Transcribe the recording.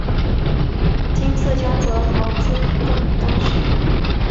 今次江泽濠自动当选。